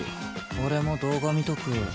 俺も動画見とく。